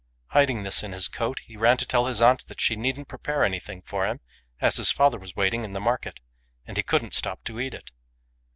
Hiding this in his coat, he ran to tell his aunt that she needn't prepare anything for him, as his father was waiting in the market, and he couldn't stop to eat it.